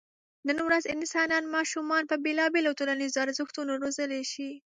نن ورځ انسانان ماشومان په بېلابېلو ټولنیزو ارزښتونو روزلی شي.